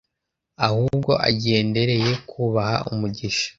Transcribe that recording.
ahubwo agendereye kubaha umugisha.